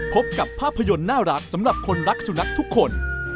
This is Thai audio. พบกับภาพยนตร์น่ารักสำหรับคนรักสุนัขทุกคน